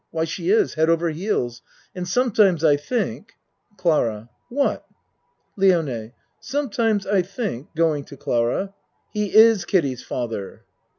Why, she is, head over heels and sometimes I think CLARA What? LIONE Sometimes I think (Going to Clara.) he is Kiddie's father.